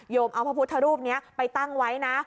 เอาพระพุทธรูปนี้ไปตั้งไว้นะ